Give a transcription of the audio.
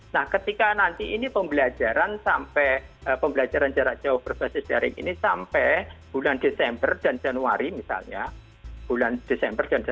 nah ketika nanti ini pembelajaran jarak jauh berbasis daring ini sampai bulan desember dan januari misalnya